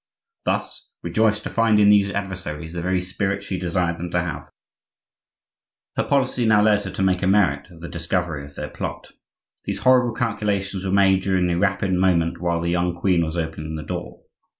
Thus, rejoiced to find in these adversaries the very spirit she desired them to have, her policy now led her to make a merit of the discovery of their plot. These horrible calculations were made during the rapid moment while the young queen was opening the door.